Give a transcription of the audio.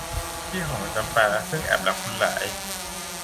พี่ของจำปาซึ่งแอบรักบุญหลาย